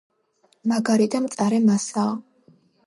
მაგარი და მწარე მასაა.